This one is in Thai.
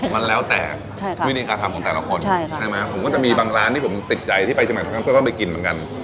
มันแล้วแต่วิธีการทำของแต่ละคนใช่ไหมผมก็จะมีบางร้านที่ผมติดใจที่ไปเชียงใหม่ตรงนั้นก็ต้องไปกินเหมือนกัน